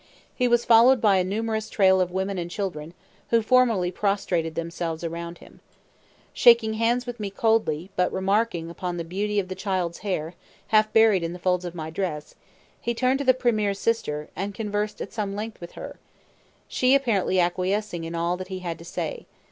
He was followed by a numerous "tail" of women and children, who formally prostrated themselves around him. Shaking hands with me coldly, but remarking upon the beauty of the child's hair, half buried in the folds of my dress, he turned to the premier's sister, and conversed at some length with her, she apparently acquiescing in all that he had to say.